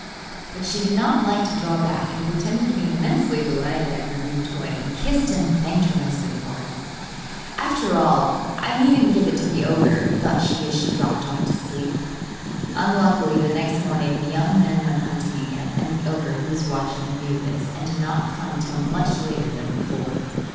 But she did not like to draw back, and pretended to be immensely delighted at her new toy, and kissed and thanked her husband for it. 'After all I needn't give it to the ogre,' thought she as she dropped off to sleep. Unluckily the next morning the young man went hunting again, and the ogre, who was watching, knew this, and did not come till much later than before.